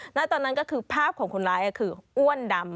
ณตอนนั้นก็คือภาพของคนร้ายคืออ้วนดำ